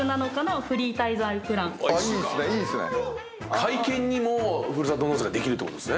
体験にもふるさと納税ができるってことっすね。